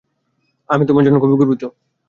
আমি তোমার জন্য খুব গর্বিত।